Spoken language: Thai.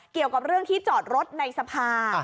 เกี่ยวกับเรื่องที่จอดรถในสภา